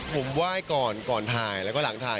ผมไหว้ก่อนก่อนถ่ายแล้วก็หลังถ่าย